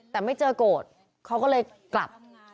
แต่ไม่เจอโกรธเขาก็เลยกลับ